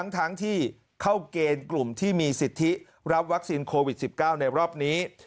ทั้งที่เข้าเกณฑ์กลุ่มที่มีสิทธิรับวัคซีนโควิด๑๙ในรอบนี้